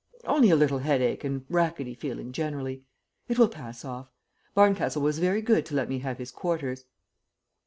"Only a little headache and rackety feeling generally. It will pass off. Barncastle was very good to let me have his quarters."